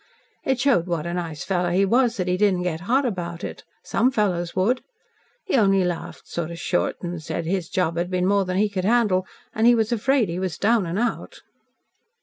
It showed what a nice fellow he was that he didn't get hot about it. Some fellows would. He only laughed sort of short and said his job had been more than he could handle, and he was afraid he was down and out."